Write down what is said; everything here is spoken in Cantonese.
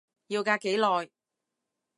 要隔幾耐？